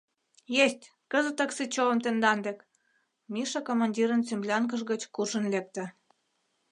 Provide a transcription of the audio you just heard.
— Есть, кызытак Сычевым тендан дек, — Миша командирын землянкыж гыч куржын лекте.